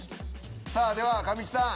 さぁでは神木さん。